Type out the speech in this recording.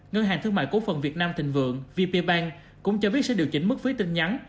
ngân hàng thương mại cổ phần việt nam tình vượng vp bank cũng cho biết sẽ điều chỉnh mức phí tình nhắn